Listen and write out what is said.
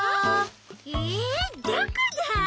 えどこだ？